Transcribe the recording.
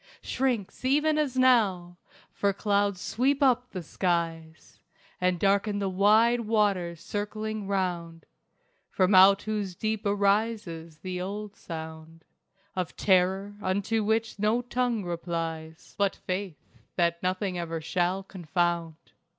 Shrinks, even as now! For clouds sweep up the skies And darken the wide waters circling round, From out whose deep arises the old sound Of Terror unto which no tongue replies But Faith that nothing ever shall confound.